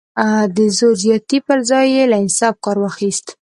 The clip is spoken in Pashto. د زور زیاتي پر ځای یې له انصاف کار واخیست.